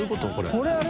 これ。